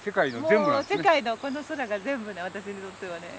もう世界のこの空が全部私にとってはね。